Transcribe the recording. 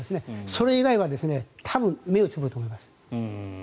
それ以外は多分目をつぶると思います。